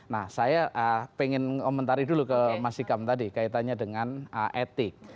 nah saya ingin mengomentari dulu ke mas ikam tadi kaitannya dengan etik